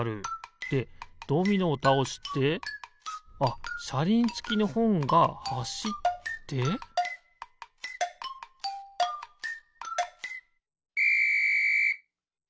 でドミノをたおしてあっしゃりんつきのほんがはしってピッ！